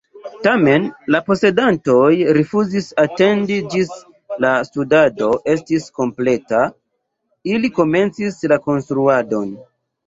Tamen, la posedantoj rifuzis atendi ĝis la studado estis kompleta: ili komencis la konstruadon!